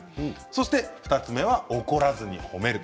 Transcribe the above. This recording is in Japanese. そして２つ目は、怒らずに褒める。